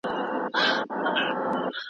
په لاس خط لیکل د معلوماتو د تحلیل توان زیاتوي.